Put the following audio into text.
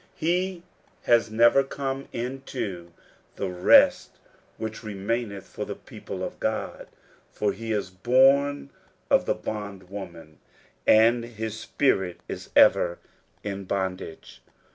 He has never come into " the rest which remaineth for the people of God ;" for he is born of the bondwoman, and his Tlie Two Lives, 17 spirit is ever in bondage.